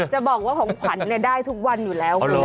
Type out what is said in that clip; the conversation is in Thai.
จะบอกว่าของขวัญได้ทุกวันอยู่แล้วคุณ